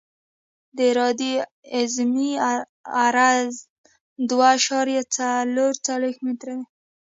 د عرادې اعظمي عرض دوه اعشاریه څلور څلویښت متره دی